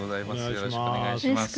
よろしくお願いします。